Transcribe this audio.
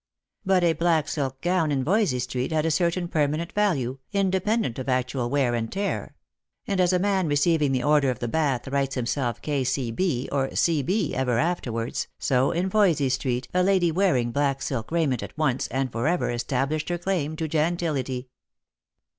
But a black silk gown in Voysey street had a certain permanent value, independent of actual wear and tear; and as a man receiving the Order of the Bath writes himself K.C.B. or C.B. ever afterwards, so in Voysey street a lady wearing black silk raiment at once and for ever established her claim to gentility.